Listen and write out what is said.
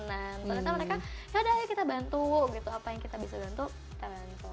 nah ternyata mereka yaudah ayo kita bantu gitu apa yang kita bisa bantu kita bantu